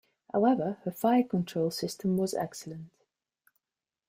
However, her fire control system was excellent.